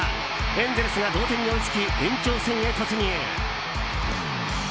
エンゼルスが同点に追いつき延長戦へ突入。